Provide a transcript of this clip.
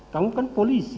kamu kan polisi